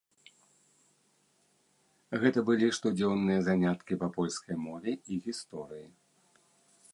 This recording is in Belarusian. Гэта былі штодзённыя заняткі па польскай мове і гісторыі.